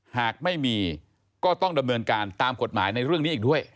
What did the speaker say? หากไม่มีก็ต้องดำเนินการตามกฎหมายในเรื่องนี้อีกด้วย